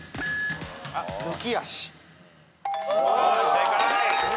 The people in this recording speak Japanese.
正解。